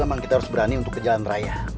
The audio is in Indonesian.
memang kita harus berani untuk ke jalan raya